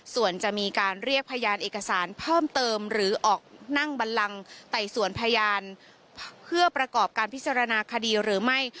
ส่วนจะมีการเรียกพยานเอกสารเพิ่มเติมหรือออกนั่งบันลังไต่สวนพยานเพื่อประกอบการพิจารณาคดีหรือไม่